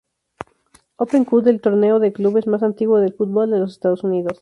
Open Cup, del torneo de clubes más antiguo del fútbol de los Estados Unidos.